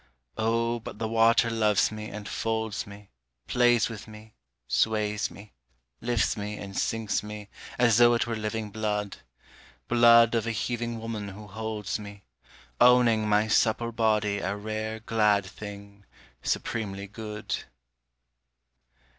Oh but the water loves me and folds me, Plays with me, sways me, lifts me and sinks me as though it were living blood, Blood of a heaving woman who holds me, Owning my supple body a rare glad thing, supremely good.